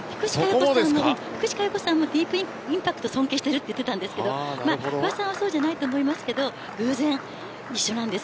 福士加代子さんもディープインパクト尊敬しているといっていたんですけど不破さんはそうじゃないと思いますけど偶然に一緒なんです。